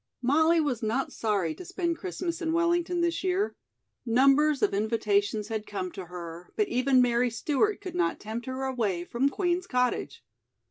Molly was not sorry to spend Christmas in Wellington this year. Numbers of invitations had come to her, but even Mary Stewart could not tempt her away from Queen's Cottage.